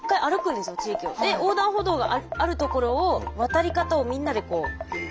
で横断歩道がある所を渡り方をみんなでこう。